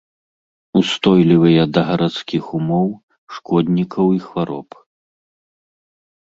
Устойлівыя да гарадскіх умоў, шкоднікаў і хвароб.